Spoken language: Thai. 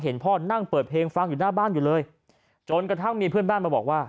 พ่อนั่งเปิดเพลงฟังอยู่หน้าบ้านอยู่เลยจนกระทั่งมีเพื่อนบ้านมาบอกว่า